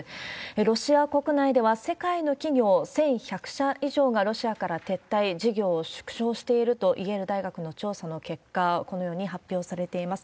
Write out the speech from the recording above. ロシア国内では世界の企業１１００社以上がロシアから撤退、事業を縮小しているとイェール大学の調査の結果、このように発表されています。